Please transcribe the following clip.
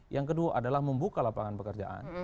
yang kedua adalah membuka lapangan pekerjaan